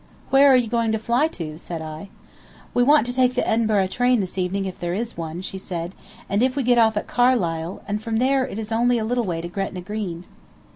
"Where are you going to fly to?" said I. "We want to take the Edinburgh train this evening if there is one," she said, "and we get off at Carlisle, and from there it is only a little way to Gretna Green."